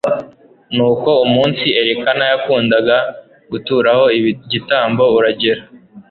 nuko umunsi elikana yakundaga guturaho igitambo uragera